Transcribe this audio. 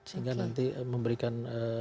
sehingga nanti memberikan